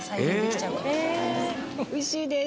おいしいです。